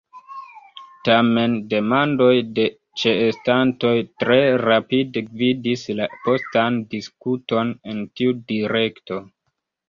Tamen demandoj de ĉeestantoj tre rapide gvidis la postan diskuton en tiu direkto.